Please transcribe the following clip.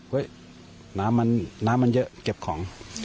เฮ้ยน้ำมันเยอะเก็บของ